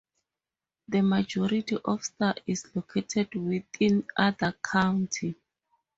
The majority of Star is located within Ada County.